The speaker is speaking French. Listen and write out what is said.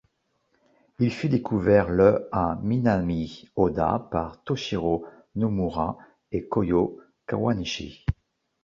Il fut découvert le à Minami-Oda par Toshiro Nomura et Koyo Kawanishi.